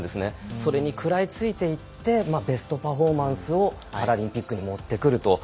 それに食らいついていってベストパフォーマンスをパラリンピックに持ってくる。